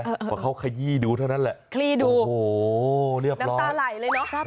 เพราะเขาขยี้ดูเท่านั้นแหละคลี่ดูโอ้โหเรียบน้ำตาไหลเลยเนอะ